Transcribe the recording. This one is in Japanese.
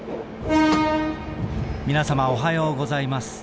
「みなさまおはようございます。